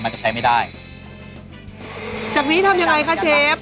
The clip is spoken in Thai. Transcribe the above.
จากนี้ทำยังไงคะเชฟ